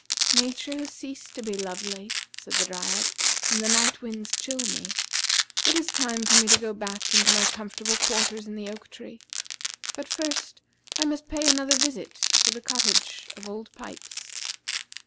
"Nature has ceased to be lovely," said the Dryad, "and the night winds chill me. It is time for me to go back into my comfortable quarters in the great oak. But first I must pay another visit to the cottage of Old Pipes."